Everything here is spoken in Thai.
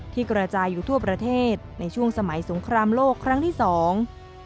กระจายอยู่ทั่วประเทศในช่วงสมัยสงครามโลกครั้งที่สอง